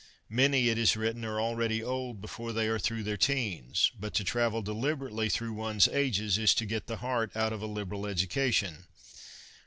' Many,' it is written, ' are already old before they are through their teens ; but to travel deliberately through one's ages is to get the heart out of a liberal educa tion.